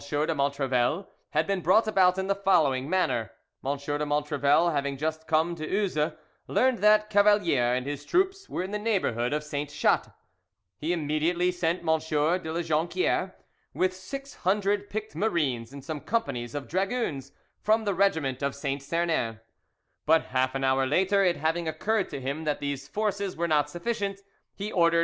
de Montrevel had been brought about in the following manner:—M. de Montrevel having just come to Uzes, learned that Cavalier and his troops were in the neighbourhood of Sainte Chatte; he immediately sent M. de La Jonquiere, with six hundred picked marines and some companies of dragoons from the regiment of Saint Sernin, but half an hour later, it having occurred to him that these forces were not sufficient, he ordered M.